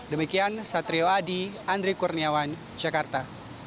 demikian satrio adi andri kurniawan jakarta